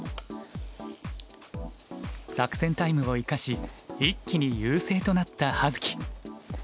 作戦タイムを生かし一気に優勢となった葉月。